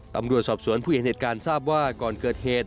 ตำรวจสอบสวนผู้เห็นเหตุการณ์ทราบว่าก่อนเกิดเหตุ